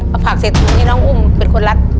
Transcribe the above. เอาผักเสร็จนี่น้องอุ้มเป็นคนรัด